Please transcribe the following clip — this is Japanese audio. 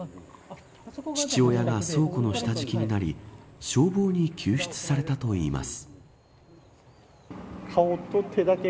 父親が倉庫の下敷きになり消防に救出されたといいます。